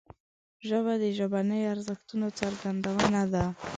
ژبه د ژبنیو ارزښتونو څرګندونه ده